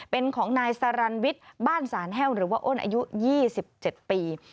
เป็นของนายสารันวิทย์บ้านสารแห้วหรือว่าอ้นอายุ๒๗ปี